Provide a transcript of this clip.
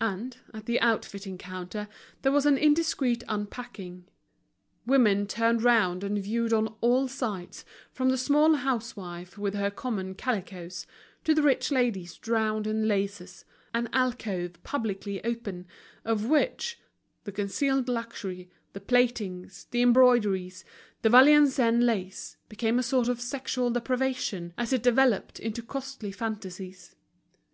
And, at the outfitting counter, there was an indiscreet unpacking, women turned round and viewed on all sides, from the small housewife with her common calicoes, to the rich lady drowned in laces, an alcove publicly open, of which, the concealed luxury, the plaitings, the embroideries, the Valenciennes lace, became a sort of sexual depravation, as it developed into costly fantasies.